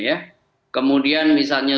ya kemudian misalnya